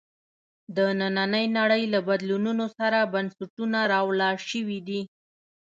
د نننۍ نړۍ له بدلونونو سره بنسټونه راولاړ شوي دي.